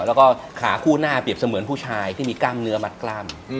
แล้วก็ขาคู่หน้าเปรียบเสมือนผู้ชายที่มีกล้ามเนื้อมัดกล้าม